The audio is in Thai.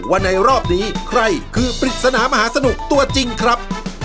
ว่าในรอบนี้ใครคือปริศนามหาสนุกตัวจริงครับ